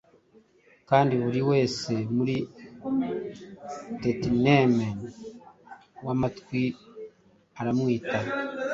Kandi buri wese muri tanemen wamatwi aramwita